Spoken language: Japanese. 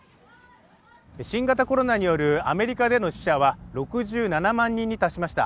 新型コロナによるアメリカでの死者は６７万人に達しました。